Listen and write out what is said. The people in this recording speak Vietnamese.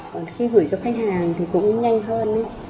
còn khi gửi cho khách hàng thì cũng nhanh hơn